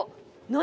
何？